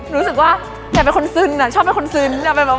รู้สึกว่าชอบเป็นคนซึ้น